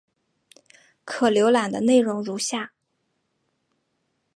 可浏览的内容如下。